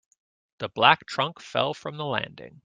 The black trunk fell from the landing.